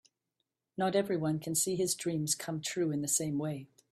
Not everyone can see his dreams come true in the same way.